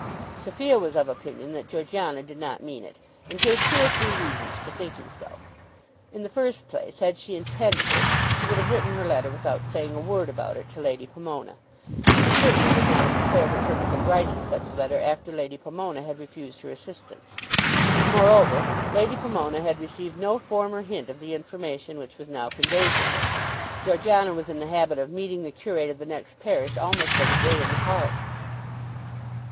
Sophia was of opinion that Georgiana did not mean it, and gave two or three reasons for thinking so. In the first place had she intended it she would have written her letter without saying a word about it to Lady Pomona. And she certainly would not have declared her purpose of writing such letter after Lady Pomona had refused her assistance. And moreover, Lady Pomona had received no former hint of the information which was now conveyed to her, Georgiana was in the habit of meeting the curate of the next parish almost every day in the park.